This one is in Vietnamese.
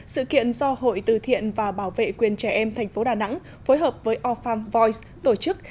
sự kiện do hội từ thiện và bảo vệ quyền trẻ em thành phố đà nẵng phối hợp với orphan voice tổ chức